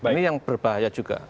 ini yang berbahaya juga